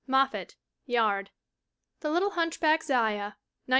Moffat, Yard. The Little Hunchback Zia, 1916.